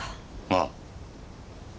ああ。